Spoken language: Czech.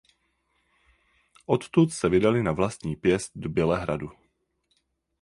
Odtud se vydali na vlastní pěst do Bělehradu.